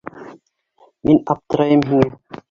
Мин аптырайым һиңә.